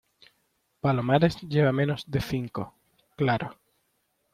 palomares lleva menos de cinco. claro .